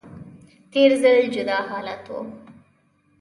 تیر ځل جدا حالت و